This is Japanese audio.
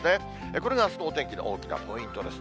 これがあすのお天気の大きなポイントです。